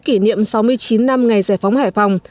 kỷ niệm sáu mươi chín năm ngày giải phóng hải phòng